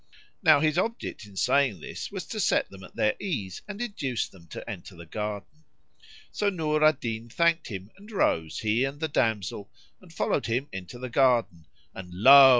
Now his object in saying this was to set them at their ease and induce them to enter the garden. So Nur al Din thanked him and rose, he and the damsel, and followed him into the garden; and lo!